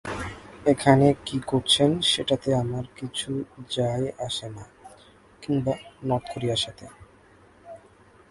এখানে কী করছেন সেটাতে আমার কিছু যায়-আসে না, কিংবা নর্থ কোরিয়ার সাথে।